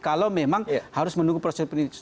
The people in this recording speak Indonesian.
kalau memang harus menunggu proses penyelidikan